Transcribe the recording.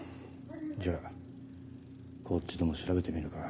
じゃこっちでも調べてみるか。